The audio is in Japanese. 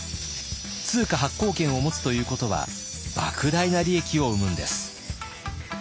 通貨発行権を持つということはばく大な利益を生むんです。